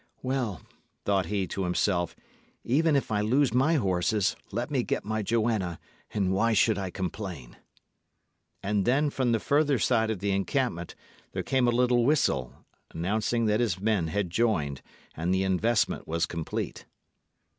"Well," thought he to himself, "even if I lose my horses, let me get my Joanna, and why should I complain?" And then, from the further side of the encampment, there came a little whistle, announcing that his men had joined, and the investment was complete.